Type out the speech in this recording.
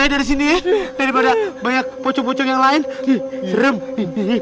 dari sini ya daripada banyak pocong pocong yang lain